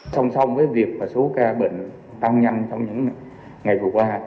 sông sông với việc số ca bệnh tăng nhanh trong những ngày vừa qua